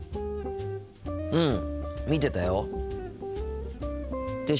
うん見てたよ。って